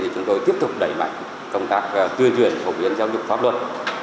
chúng tôi tiếp tục đẩy mạnh công tác tuyên truyền phổ biến giáo dục pháp luật